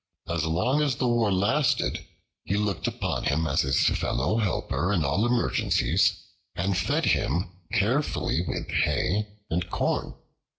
As long as the war lasted, he looked upon him as his fellow helper in all emergencies and fed him carefully with hay and corn.